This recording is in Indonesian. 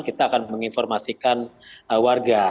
kita akan menginformasikan warga